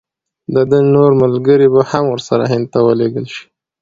د ده نور ملګري به هم ورسره هند ته ولېږل شي.